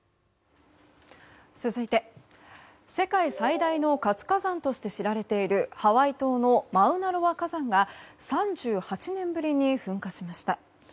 続いて、世界最大の活火山として知られているハワイ島のマウナロア火山が３８年ぶりに噴火しました。